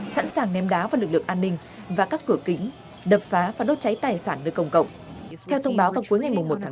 sẵn sàng ném đá vào lực lượng an ninh và các cửa kính đập phá và đốt cháy tài sản nơi công cộng